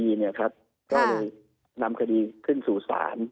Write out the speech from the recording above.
ก็เลยนำคดีขึ้นสู่ศาล